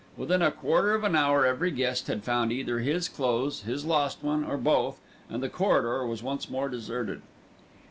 Within a quarter of an hour every guest had found either his clothes, his lost one, or both, and the corridor was once more deserted.